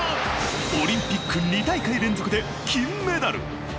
オリンピック２大会連続で金メダル！